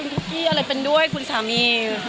คุกกี้อะไรเป็นด้วยคุณสามี